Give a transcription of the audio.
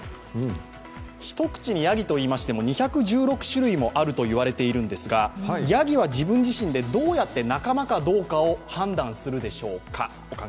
一口にやぎといいましても２１６種類もあるといわれているんですがやぎは自分自身でどうやって仲間かどうかを判断するでしょうか？